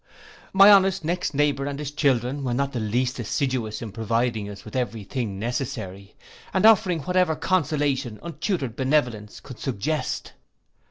My honest next neighbour, and his children, were not the least assiduous in providing us with every thing necessary, and offering what ever consolation untutored benevolence could suggest.